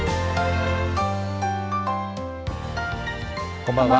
こんばんは。